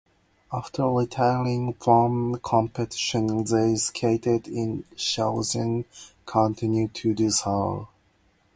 After retiring from competition, they skated in shows and continue to do so.